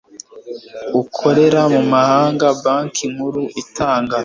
ukorera mu mahanga banki nkuru itanga